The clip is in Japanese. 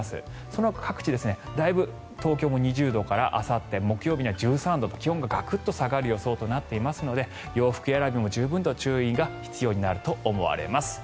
そのほか各地だいぶ東京も２０度からあさって木曜日には１３度と、気温がガクッと下がる予想となっていますので洋服選びも十分と注意が必要になると思われます。